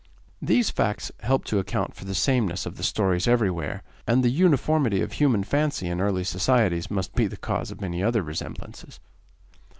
These facts help to account for the sameness of the stories everywhere; and the uniformity of human fancy in early societies must be the cause of many other resemblances.